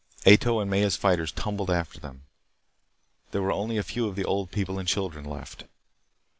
Ato's and Maya's fighters tumbled after them. There were only a few of the old people and children left.